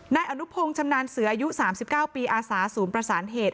นายอนุพงศ์ชำนาญเสืออายุ๓๙ปีอาสาศูนย์ประสานเหตุ